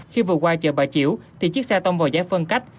khi vừa qua chợ bà chiểu thì chiếc xe tông vào giải phân cách